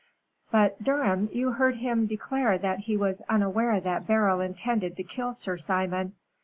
"But, Durham, you heard him declare that he was unaware that Beryl intended to kill Sir Simon.